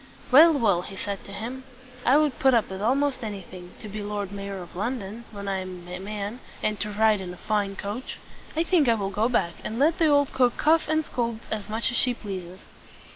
"Well, well!" he said to himself. "I would put up with almost anything, to be Lord Mayor of London when I am a man, and to ride in a fine coach! I think I will go back and let the old cook cuff and scold as much as she pleases."